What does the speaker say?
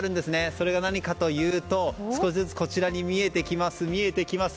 それが何かというと少しずつこちらに見えてきます。